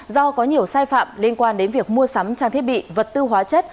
do có nhiều sai phạm liên quan đến việc mua sắm trang thiết bị vật tư hóa chất